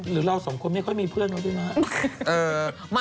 หรือเราสองคนไม่ค่อยมีเพื่อนหรือเปล่าพี่น้า